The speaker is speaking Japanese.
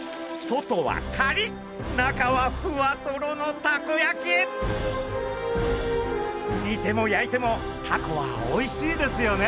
外はカリッ中はふわトロのたこ焼き！にても焼いてもタコはおいしいですよね？